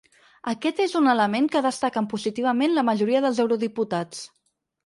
Aquest és un element que destaquen positivament la majoria dels eurodiputats.